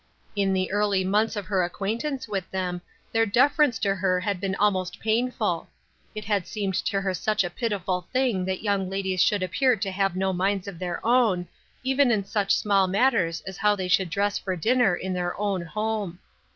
In the early months of her acquaintance with them their deference to her had been almost painful ; it had seemed to her such a pitiful thing that young ladies should appear to have no minds of their own, even in such small matters as how they should dress for dinner in their own home.